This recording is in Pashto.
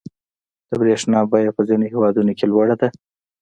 • د برېښنا بیه په ځینو هېوادونو کې لوړه ده.